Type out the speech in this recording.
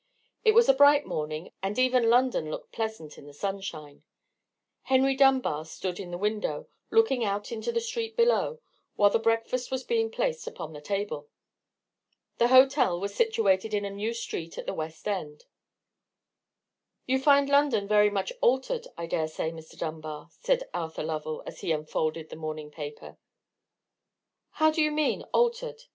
It was a bright morning, and even London looked pleasant in the sunshine. Henry Dunbar stood in the window, looking out into the street below, while the breakfast was being placed upon the table. The hotel was situated in a new street at the West End. "You find London very much altered, I dare say, Mr. Dunbar?" said Arthur Lovell, as he unfolded the morning paper. "How do you mean altered?"